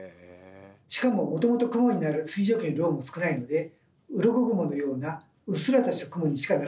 しかももともと雲になる水蒸気の量も少ないのでうろこ雲のようなうっすらとした雲にしかならないことが多いんです。